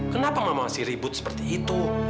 kenapa mama masih ribut seperti itu